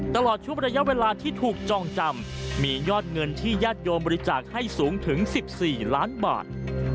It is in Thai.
ตลอดชุบระยะเวลาที่ถูกจองจำมียอดเงินที่ญาติโยมบริจาคให้สูงถึง๑๔ล้านบาท